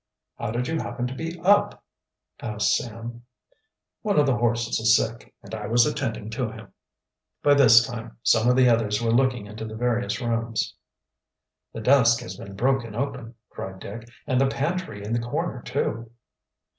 "How did you happen to be up?" asked Sam. "One of the horses is sick, and I was attending to him." By this time some of the others were looking into the various rooms. "The desk has been broken open!" cried Dick. "And the pantry in the corner, too!"